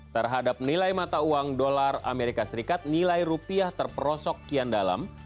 terhadap nilai mata uang dolar amerika serikat nilai rupiah terperosok kian dalam